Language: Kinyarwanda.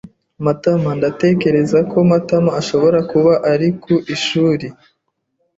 [Matama] Ndatekereza ko Matama ashobora kuba ari ku ishuri.